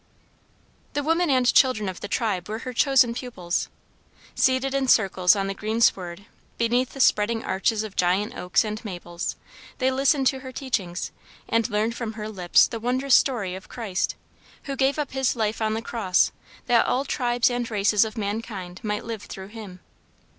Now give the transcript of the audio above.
The women and children of the tribe were her chosen pupils. Seated in circles on the greensward beneath the spreading arches of giant oaks and maples, they listened to her teachings, and learned from her lips the wondrous story of Christ, who gave up his life on the cross that all tribes and races of mankind might live through Him.